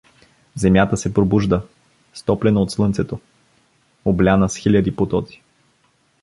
Земята се пробужда, стоплена от слънцето, обляна с хиляди потоци.